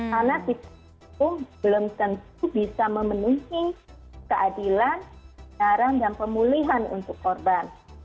karena kita belum tentu bisa memenuhi keadilan naran dan pemulihan untuk korban